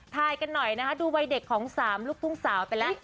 กันหน่อยนะคะดูวัยเด็กของ๓ลูกทุ่งสาวไปแล้ว